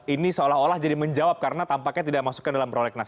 ini seolah olah jadi menjawab karena tampaknya tidak masukkan dalam prolegnas